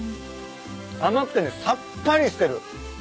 甘くてねさっぱりしてる。